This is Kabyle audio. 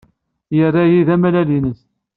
Yerra-iyi d amalal-nnes.